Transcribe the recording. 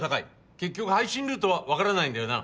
結局配信ルートは分からないんだよな？